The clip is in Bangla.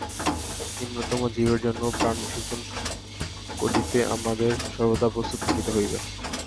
নিম্নতম জীবের জন্যও প্রাণ পর্যন্ত বিসর্জন দিতে আমাদের সর্বদা প্রস্তুত থাকিতে হইবে।